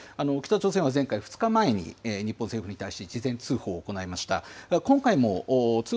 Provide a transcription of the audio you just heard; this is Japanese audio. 北朝鮮は前回、２日前に日本に事前通報を行いました。